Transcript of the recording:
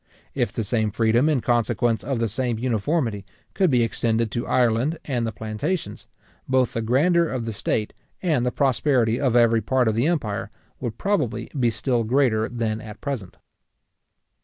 If the same freedom in consequence of the same uniformity, could be extended to Ireland and the plantations, both the grandeur of the state, and the prosperity of every part of the empire, would probably be still greater than at present.